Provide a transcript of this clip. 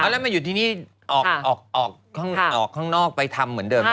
แล้วมาอยู่ที่นี่ออกข้างนอกไปทำเหมือนเดิม